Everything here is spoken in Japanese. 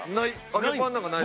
揚げパンなんかない。